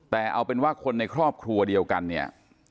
แต่เอาเป็นว่าคนในครอบครัวเดียวกันเนี่ย